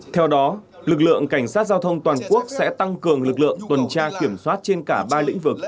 theo đó lực lượng cảnh sát giao thông toàn quốc sẽ tăng cường lực lượng tuần tra kiểm soát trên cả ba lĩnh vực